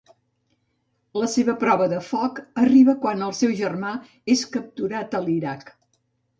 La seva prova de foc arriba quan el seu germà és capturat a l'Iraq.